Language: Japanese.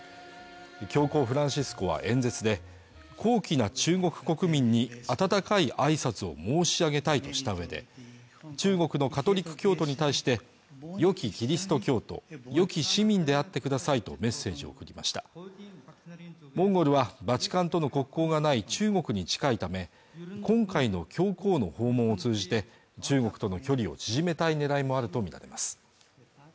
教皇フランシスコは演説で高貴な中国国民に温かいあいさつを申し上げたいとしたうえで中国のカトリック教徒に対して良きキリスト教徒よき市民であってくださいとメッセージを送りましたモンゴルはバチカンとの国交がない中国に近いため今回の教皇の訪問を通じて中国との距離を縮めたい狙いもあると見られます